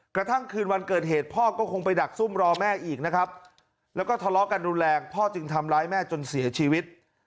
กระทั่งคืนวันเกิดเหตุพ่อก็คงไปดักซุ่มรอแม่อีกนะครับแล้วก็ทะเลาะกันรุนแรงพ่อจึงทำร้ายแม่จนเสียชีวิต